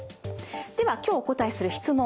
では今日お答えする質問